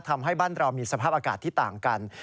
ทำให้บ้านเรามีสภาพอากาศที่ต่างกัน